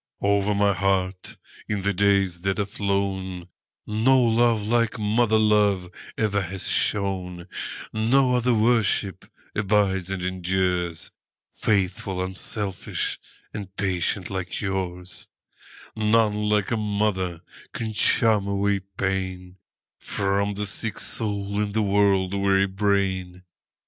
Over my heart, in the days that are flown, No love like mother love ever has shone; No other worship abides and endures,—Faithful, unselfish, and patient like yours:None like a mother can charm away painFrom the sick soul and the world weary brain.